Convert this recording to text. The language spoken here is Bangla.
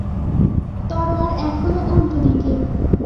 তরোয়ার এখনো উল্টোদিকে।